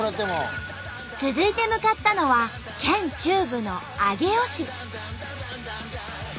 続いて向かったのは県中部の上尾市。